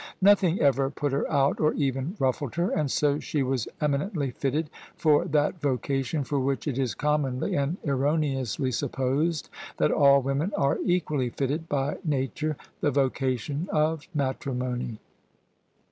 Nothing ever put her out or even ruffled her: and so she was eminently fitted for that vocation for which it is commonly and erroneously supposed that all women are equally fitted by nature — the vocation of matrimony.